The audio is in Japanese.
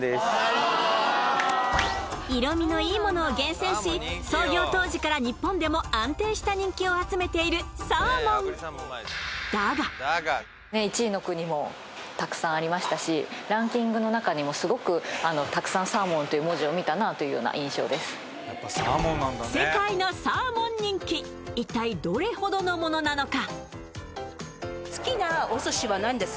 色味のいいものを厳選し創業当時から日本でも安定した人気を集めているサーモンだが世界のサーモン人気、一体どれほどのものなのか。